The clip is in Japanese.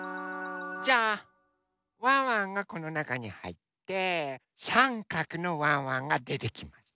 じゃあワンワンがこのなかにはいってさんかくのワンワンがでてきます。